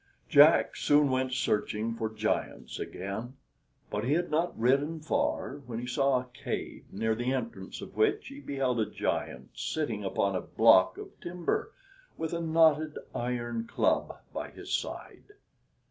Jack soon went searching for giants again, but he had not ridden far, when he saw a cave, near the entrance of which he beheld a giant sitting upon a block of timber, with a knotted iron club by his side.